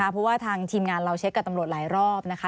เพราะว่าทางทีมงานเราเช็คกับตำรวจหลายรอบนะคะ